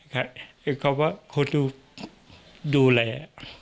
คือคำว่าคนดูดูแล